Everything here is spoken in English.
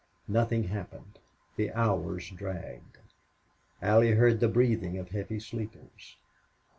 Nothing happened. The hours dragged. Allie heard the breathing of heavy sleepers.